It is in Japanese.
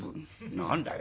「何だよ？